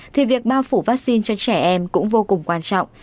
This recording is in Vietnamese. thì việc bao phủ vaccine cho trẻ em cũng vô cùng quan trọng